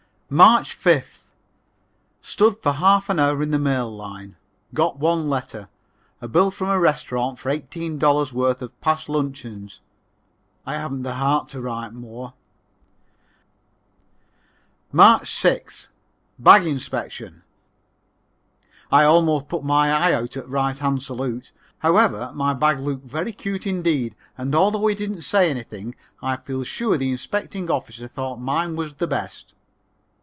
March 5th. Stood for half an hour in the mail line. Got one letter. A bill from a restaurant for eighteen dollars' worth of past luncheons. I haven't the heart to write more. [Illustration: "A BILL FROM A RESTAURANT FOR $18.00 WORTH OF PAST LUNCHEONS"] March 6th. Bag inspection. I almost put my eye out at right hand salute. However, my bag looked very cute indeed, and although he didn't say anything, I feel sure the inspecting officer thought mine was the best.